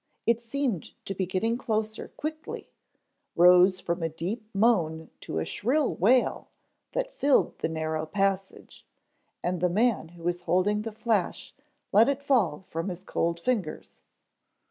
It seemed to be getting closer quickly, rose from a deep moan to a shrill wail that filled the narrow passage, and the man who was holding the flash let it fall from his cold fingers.